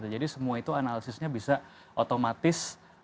jadi semua itu analisisnya bisa otomatis